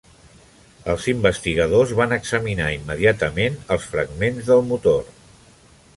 Els investigadors van examinar immediatament els fragments del motor.